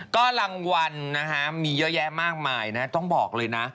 ก็รางวัลนะฮะมีเยอะแยะมากมายนะต้องบอกเลยนะ